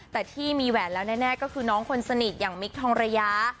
แต่ที่มีแหวนแล้วแน่ก็คือน้องคนสนิทอย่างมิคทองระยะ